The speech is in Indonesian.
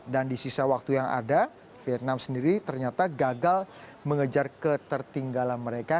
dan di sisa waktu yang ada vietnam sendiri ternyata gagal mengejar ketertinggalan mereka